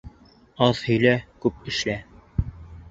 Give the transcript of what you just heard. Аҙ һөйлә, күп эшлә.